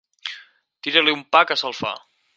Tira-li un pa, que se'l fa!